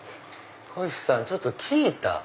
こひさんちょっと聞いた？